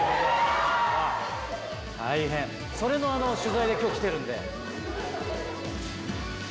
それの取材で今日来てるんで。